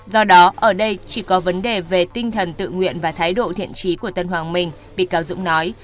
do đó ở đây chỉ có vấn đề về tinh thần tự nguyện và thái độ thiện trí của tân hoàng minh bị cáo dũng nói